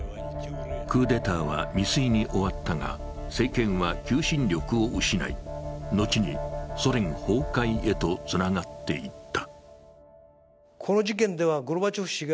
クーデターは未遂に終わったが、政権は求心力を失い、後にソ連崩壊へとつながっていった。